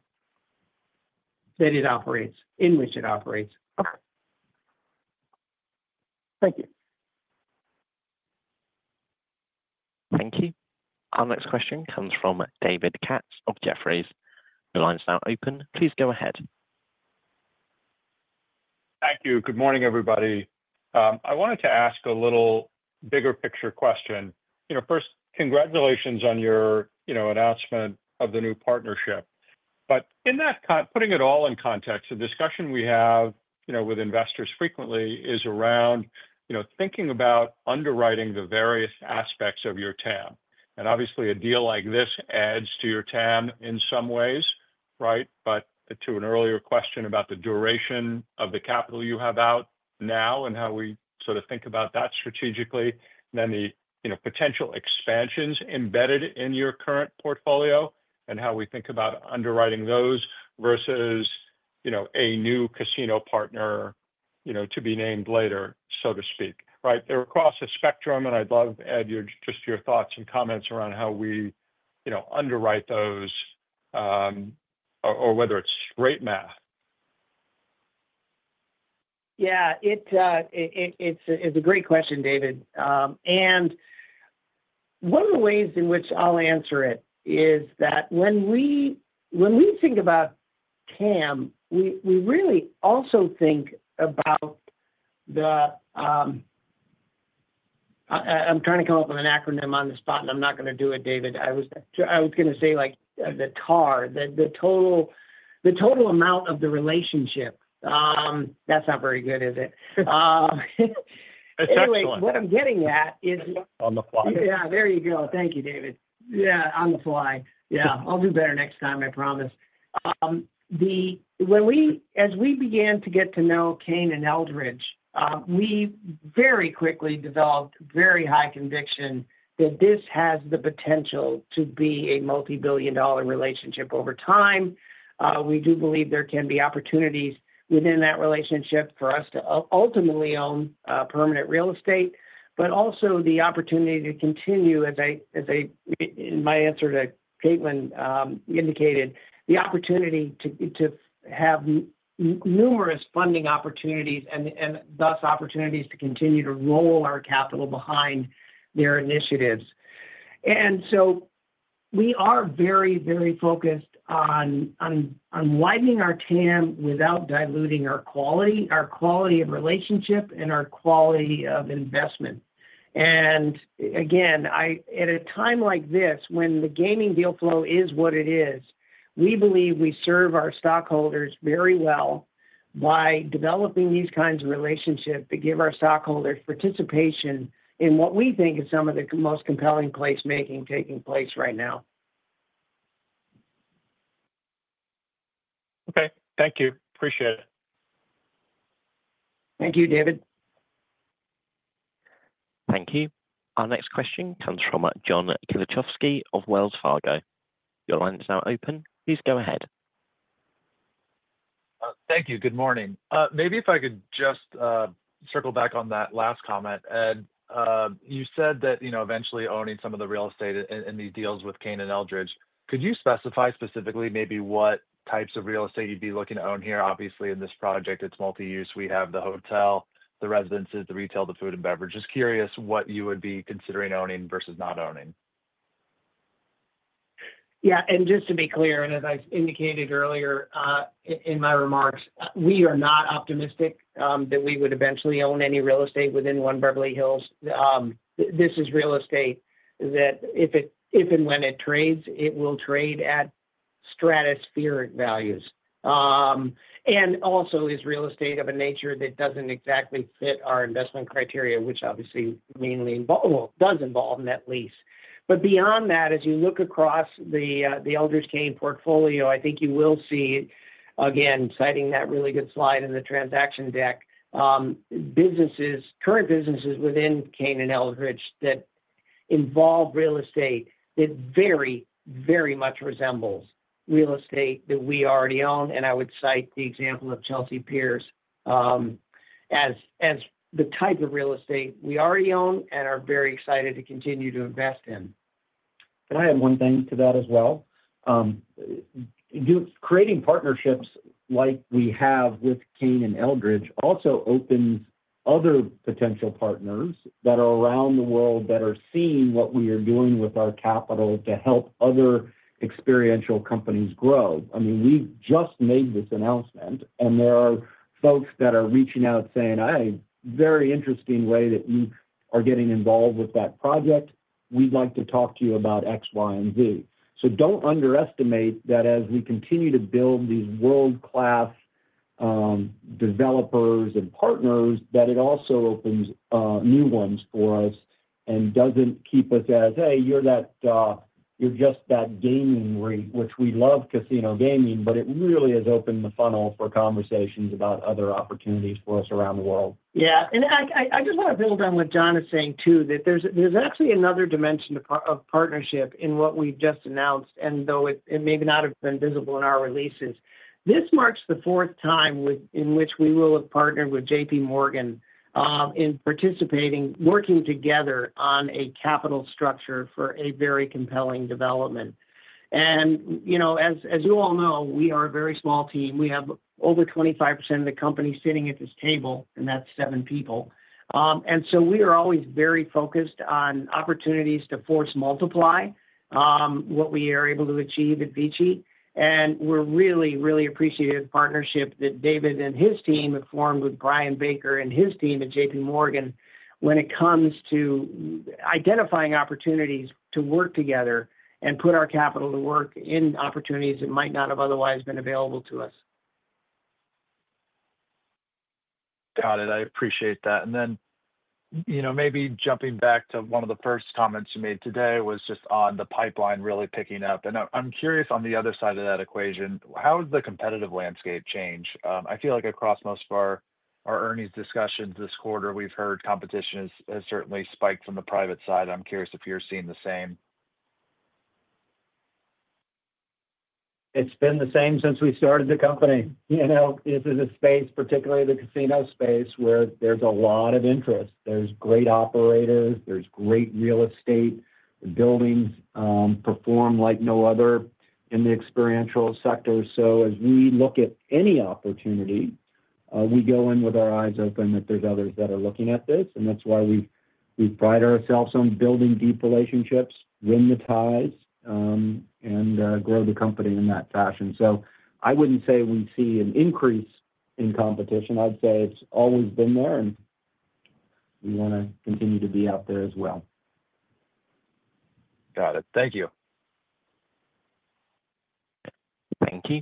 Speaker 2: that it operates, in which it operates.
Speaker 13: Okay. Thank you.
Speaker 1: Thank you. Our next question comes from David Katz of Jefferies. The line's now open. Please go ahead.
Speaker 14: Thank you. Good morning, everybody. I wanted to ask a little bigger picture question. First, congratulations on your announcement of the new partnership. But putting it all in context, the discussion we have with investors frequently is around thinking about underwriting the various aspects of your TAM. And obviously, a deal like this adds to your TAM in some ways, right? But to an earlier question about the duration of the capital you have out now and how we sort of think about that strategically, then the potential expansions embedded in your current portfolio and how we think about underwriting those versus a new casino partner to be named later, so to speak, right? They're across the spectrum, and I'd love to add just your thoughts and comments around how we underwrite those or whether it's straight math.
Speaker 3: Yeah. It's a great question, David. And one of the ways in which I'll answer it is that when we think about TAM, we really also think about the, I'm trying to come up with an acronym on the spot, and I'm not going to do it, David. I was going to say the TAR, the total amount of the relationship. That's not very good, is it?
Speaker 14: It's excellent.
Speaker 3: Anyway, what I'm getting at is.
Speaker 14: On the fly.
Speaker 3: Yeah. There you go. Thank you, David. Yeah. On the fly. Yeah. I'll do better next time, I promise. As we began to get to know Cain and Eldridge, we very quickly developed very high conviction that this has the potential to be a multi-billion-dollar relationship over time. We do believe there can be opportunities within that relationship for us to ultimately own permanent real estate, but also the opportunity to continue, as my answer to Caitlin indicated, the opportunity to have numerous funding opportunities and thus opportunities to continue to roll our capital behind their initiatives. And so we are very, very focused on widening our TAM without diluting our quality, our quality of relationship, and our quality of investment. Again, at a time like this, when the gaming deal flow is what it is, we believe we serve our stockholders very well by developing these kinds of relationships that give our stockholders participation in what we think is some of the most compelling placemaking taking place right now.
Speaker 14: Okay. Thank you. Appreciate it.
Speaker 3: Thank you, David.
Speaker 1: Thank you. Our next question comes from John Kilichowski of Wells Fargo. Your line is now open. Please go ahead.
Speaker 15: Thank you. Good morning. Maybe if I could just circle back on that last comment. And you said that eventually owning some of the real estate and these deals with Cain and Eldridge, could you specify specifically maybe what types of real estate you'd be looking to own here? Obviously, in this project, it's multi-use. We have the hotel, the residences, the retail, the food and beverage. Just curious what you would be considering owning versus not owning.
Speaker 3: Yeah. Just to be clear, and as I indicated earlier in my remarks, we are not optimistic that we would eventually own any real estate within One Beverly Hills. This is real estate that if and when it trades, it will trade at stratospheric values. And also is real estate of a nature that doesn't exactly fit our investment criteria, which obviously mainly involves, well, does involve net lease. But beyond that, as you look across the Eldridge-Cain portfolio, I think you will see, again, citing that really good slide in the transaction deck, current businesses within Cain and Eldridge that involve real estate that very, very much resembles real estate that we already own. And I would cite the example of Chelsea Piers as the type of real estate we already own and are very excited to continue to invest in.
Speaker 4: Can I add one thing to that as well? Creating partnerships like we have with Cain and Eldridge also opens other potential partners that are around the world that are seeing what we are doing with our capital to help other experiential companies grow. I mean, we've just made this announcement, and there are folks that are reaching out saying, "Hey, very interesting way that you are getting involved with that project. We'd like to talk to you about X, Y, and Z." So don't underestimate that as we continue to build these world-class developers and partners, that it also opens new ones for us and doesn't keep us as, "Hey, you're just that gaming REIT," which we love casino gaming, but it really has opened the funnel for conversations about other opportunities for us around the world.
Speaker 3: Yeah. I just want to build on what John is saying too, that there's actually another dimension of partnership in what we've just announced, and though it may not have been visible in our releases. This marks the fourth time in which we will have partnered with JPMorgan in participating, working together on a capital structure for a very compelling development. As you all know, we are a very small team. We have over 25% of the company sitting at this table, and that's seven people. We are always very focused on opportunities to force multiply what we are able to achieve at VICI. We're really, really appreciative of the partnership that David and his team have formed with Brian Baker and his team at JPMorgan when it comes to identifying opportunities to work together and put our capital to work in opportunities that might not have otherwise been available to us.
Speaker 15: Got it. I appreciate that. And then maybe jumping back to one of the first comments you made today was just on the pipeline really picking up. And I'm curious on the other side of that equation, how has the competitive landscape changed? I feel like across most of our earnings discussions this quarter, we've heard competition has certainly spiked on the private side. I'm curious if you're seeing the same.
Speaker 4: It's been the same since we started the company. This is a space, particularly the casino space, where there's a lot of interest. There's great operators. There's great real estate. The buildings perform like no other in the experiential sector. So as we look at any opportunity, we go in with our eyes open that there's others that are looking at this. And that's why we pride ourselves on building deep relationships, win the ties, and grow the company in that fashion. So I wouldn't say we see an increase in competition. I'd say it's always been there, and we want to continue to be out there as well.
Speaker 15: Got it. Thank you.
Speaker 1: Thank you.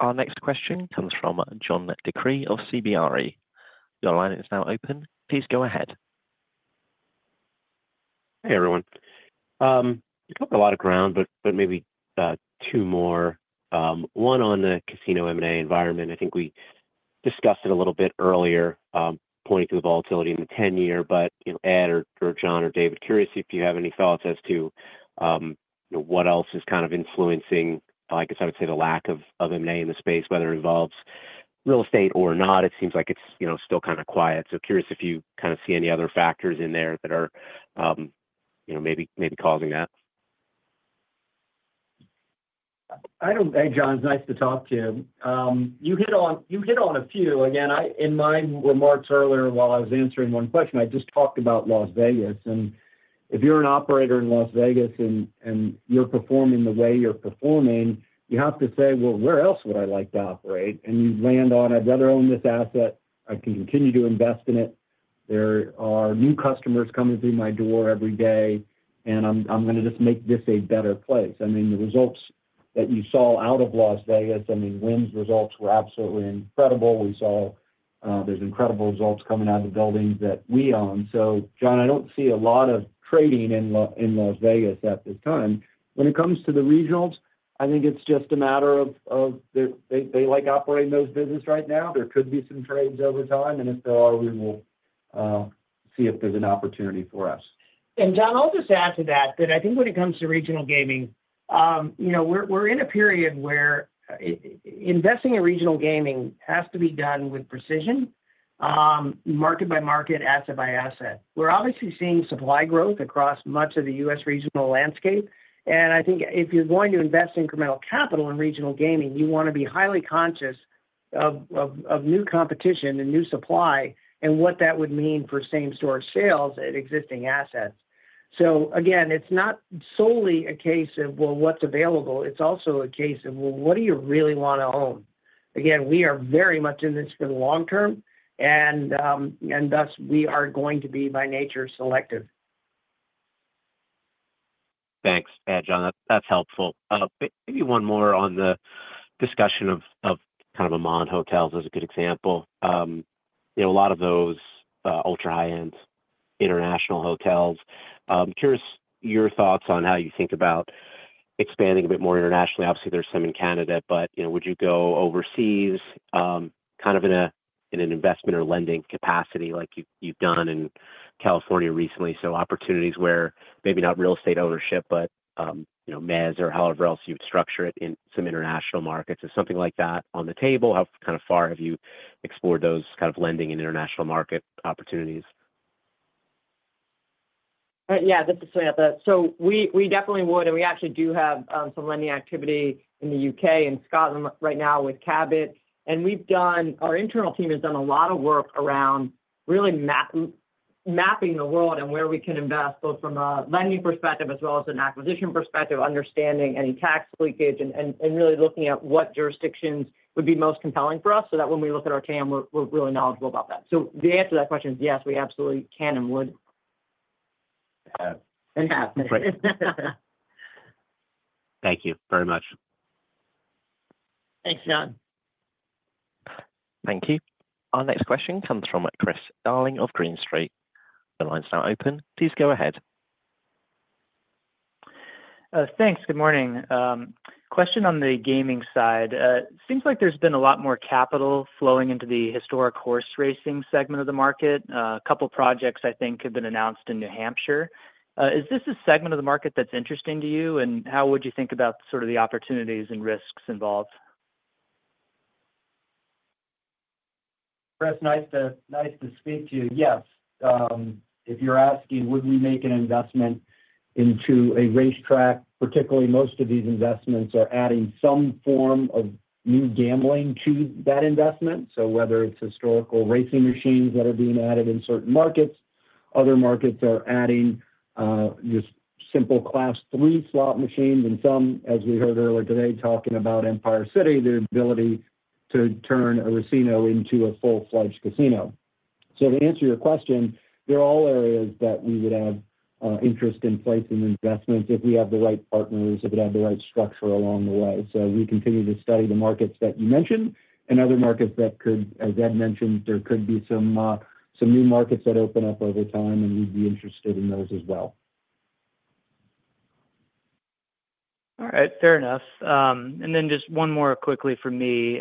Speaker 1: Our next question comes from John DeCree of CBRE. Your line is now open. Please go ahead.
Speaker 16: Hey, everyone. We covered a lot of ground, but maybe two more. One on the casino M&A environment. I think we discussed it a little bit earlier, pointing to the volatility in the 10-year. But Ed or John or David, curious if you have any thoughts as to what else is kind of influencing, I guess I would say, the lack of M&A in the space, whether it involves real estate or not. It seems like it's still kind of quiet. So curious if you kind of see any other factors in there that are maybe causing that.
Speaker 4: Hey, John. It's nice to talk to you. You hit on a few. Again, in my remarks earlier while I was answering one question, I just talked about Las Vegas. And if you're an operator in Las Vegas and you're performing the way you're performing, you have to say, "Well, where else would I like to operate?" And you land on, "I'd rather own this asset. I can continue to invest in it. There are new customers coming through my door every day, and I'm going to just make this a better place." I mean, the results that you saw out of Las Vegas, I mean, Wynn's results were absolutely incredible. We saw there's incredible results coming out of the buildings that we own. So John, I don't see a lot of trading in Las Vegas at this time. When it comes to the regionals, I think it's just a matter of they like operating those businesses right now. There could be some trades over time, and if there are, we will see if there's an opportunity for us.
Speaker 3: And John, I'll just add to that that I think when it comes to regional gaming, we're in a period where investing in regional gaming has to be done with precision, market by market, asset by asset. We're obviously seeing supply growth across much of the U.S. regional landscape. And I think if you're going to invest incremental capital in regional gaming, you want to be highly conscious of new competition and new supply and what that would mean for same-store sales at existing assets. So again, it's not solely a case of, "Well, what's available?" It's also a case of, "Well, what do you really want to own?" Again, we are very much in this for the long term, and thus we are going to be by nature selective.
Speaker 16: Thanks. Yeah, John, that's helpful. Maybe one more on the discussion of kind of Aman Hotels as a good example. A lot of those ultra-high-end international hotels. I'm curious your thoughts on how you think about expanding a bit more internationally. Obviously, there's some in Canada, but would you go overseas kind of in an investment or lending capacity like you've done in California recently? So opportunities where maybe not real estate ownership, but mezz or however else you'd structure it in some international markets. Is something like that on the table? How kind of far have you explored those kind of lending and international market opportunities?
Speaker 2: Yeah, this is Samantha. So we definitely would, and we actually do have some lending activity in the U.K. and Scotland right now with Cabot. And our internal team has done a lot of work around really mapping the world and where we can invest both from a lending perspective as well as an acquisition perspective, understanding any tax leakage, and really looking at what jurisdictions would be most compelling for us so that when we look at our TAM, we're really knowledgeable about that. So the answer to that question is yes, we absolutely can and would.
Speaker 16: And have.
Speaker 2: And have.
Speaker 16: That's right. Thank you very much.
Speaker 3: Thanks, John.
Speaker 1: Thank you. Our next question comes from Chris Darling of Green Street. The line's now open. Please go ahead.
Speaker 17: Thanks. Good morning. Question on the gaming side. It seems like there's been a lot more capital flowing into the historical horse racing segment of the market. A couple of projects, I think, have been announced in New Hampshire. Is this a segment of the market that's interesting to you, and how would you think about sort of the opportunities and risks involved?
Speaker 4: Chris, nice to speak to you. Yes. If you're asking, would we make an investment into a racetrack, particularly most of these investments are adding some form of new gambling to that investment. So whether it's historical racing machines that are being added in certain markets, other markets are adding just simple Class III slot machines, and some, as we heard earlier today, talking about Empire City, the ability to turn a casino into a full-fledged casino. So to answer your question, there are all areas that we would have interest in placing investments if we have the right partners, if we have the right structure along the way. So we continue to study the markets that you mentioned and other markets that could, as Ed mentioned, there could be some new markets that open up over time, and we'd be interested in those as well.
Speaker 17: All right. Fair enough. And then just one more quickly for me.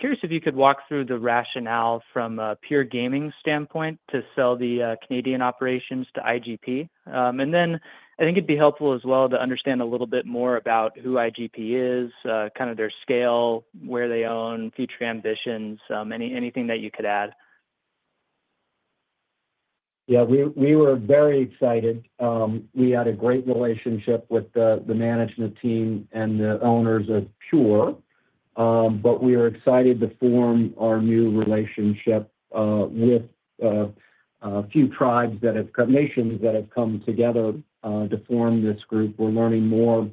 Speaker 17: Curious if you could walk through the rationale from a pure gaming standpoint to sell the Canadian operations to IGP. And then I think it'd be helpful as well to understand a little bit more about who IGP is, kind of their scale, where they own, future ambitions, anything that you could add.
Speaker 4: Yeah. We were very excited. We had a great relationship with the management team and the owners of Pure, but we are excited to form our new relationship with a few First Nations that have come together to form this group. We're learning more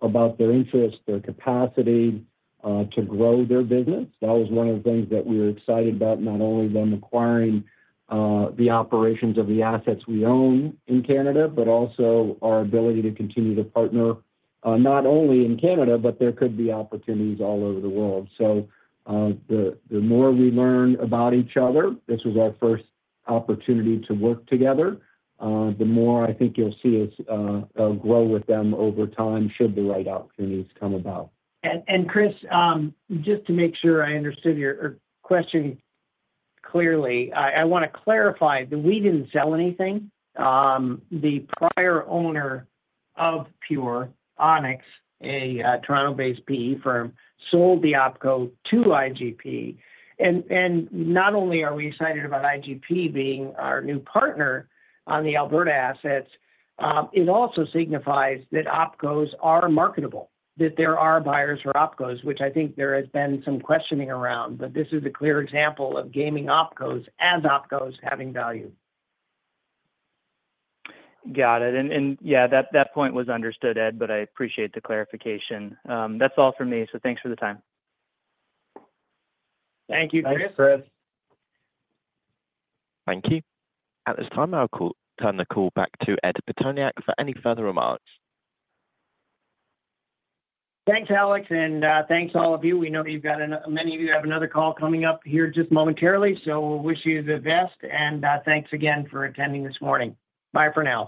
Speaker 4: about their interests, their capacity to grow their business. That was one of the things that we were excited about, not only them acquiring the operations of the assets we own in Canada, but also our ability to continue to partner not only in Canada, but there could be opportunities all over the world. So the more we learn about each other—this was our first opportunity to work together—the more I think you'll see us grow with them over time should the right opportunities come about.
Speaker 3: Chris, just to make sure I understood your question clearly, I want to clarify that we didn't sell anything. The prior owner of Pure, Onex, a Toronto-based PE firm, sold the Opco to IGP. And not only are we excited about IGP being our new partner on the Alberta assets, it also signifies that Opcos are marketable, that there are buyers for Opcos, which I think there has been some questioning around. But this is a clear example of gaming Opcos as Opcos having value.
Speaker 17: Got it. And yeah, that point was understood, Ed, but I appreciate the clarification. That's all for me. So thanks for the time.
Speaker 3: Thank you, Chris.
Speaker 4: Thanks, Chris.
Speaker 1: Thank you. At this time, I'll turn the call back to Ed Pitoniak for any further remarks.
Speaker 3: Thanks, Alex, and thanks to all of you. We know many of you have another call coming up here just momentarily, so we'll wish you the best. And thanks again for attending this morning. Bye for now.